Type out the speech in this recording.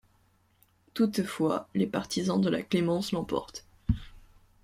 Toutefois, les partisans de la clémence l'emportent.